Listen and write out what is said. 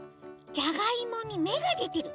じゃがいもにめがでてる。